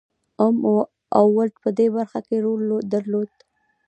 اوم او ولټ په دې برخه کې رول درلود.